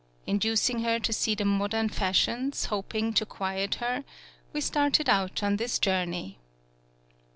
Inducing her to see the modern fashions, hoping to quiet her, we started out on this journey.